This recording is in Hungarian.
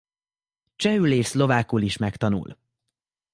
Csehül és szlovákul is megtanul.